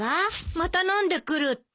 また飲んでくるって？